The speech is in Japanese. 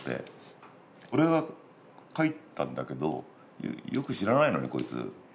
俺が描いたんだけどよく知らないのねこいつ。